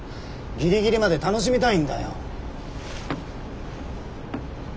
ギリギリまで楽しみたいんだよ。